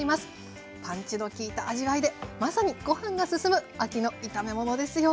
パンチの利いた味わいでまさにご飯がすすむ秋の炒め物ですよ。